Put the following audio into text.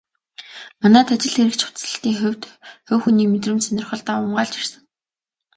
Манайд ажил хэрэгч хувцаслалтын хувьд хувь хүний мэдрэмж, сонирхол давамгайлж ирсэн.